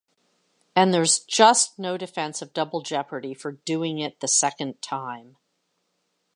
And there's just no defense of double jeopardy for doing it the second time.